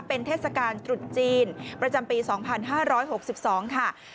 เป็นเทศกาลจุดจีนประจำปีสองพันห้าร้อยหกสิบสองค่ะ